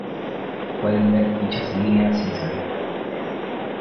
Pueden ver dichas líneas sin salir de Wikipedia.